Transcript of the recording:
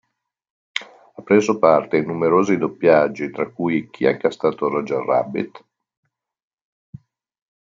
Ha preso parte in numerosi doppiaggi, tra cui "Chi ha incastrato Roger Rabbit".